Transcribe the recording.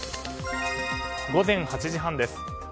午前８時半です。